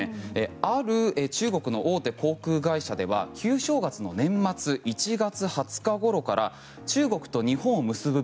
ある中国の大手航空会社では旧正月の年末１月２０日ごろから中国と日本を結ぶ便